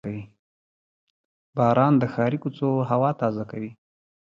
• باران د ښاري کوڅو هوا تازه کوي.